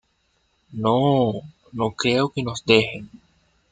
no... no creo que nos dejen.